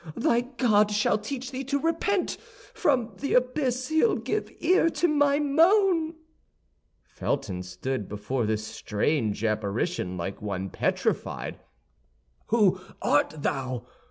Thy God shall teach thee to repent! From th' abyss he'll give ear to my moan." Felton stood before this strange apparition like one petrified. "Who art thou?